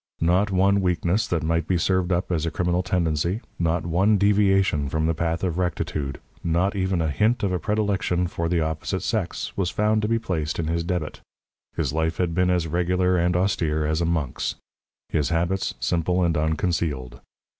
Not one weakness that might be served up as a criminal tendency, not one deviation from the path of rectitude, not even a hint of a predilection for the opposite sex, was found to be placed in his debit. His life had been as regular and austere as a monk's; his habits, simple and unconcealed.